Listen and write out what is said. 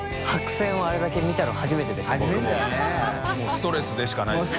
ストレスでしかないですよね。